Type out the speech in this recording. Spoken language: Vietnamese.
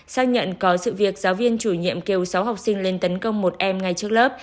xác nhận có sự việc giáo viên chủ nhiệm kêu sáu học sinh lên tấn công một em ngay trước lớp